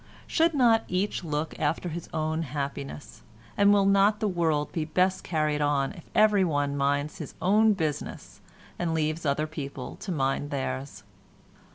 Should not each look after his own happiness, and will not the world be best carried on if everyone minds his own business and leaves other people to mind theirs?